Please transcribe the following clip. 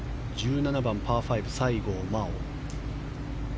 １７番、パー５西郷真央。